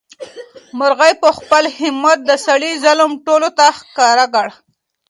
مرغۍ په خپل همت د سړي ظلم ټولو ته ښکاره کړ.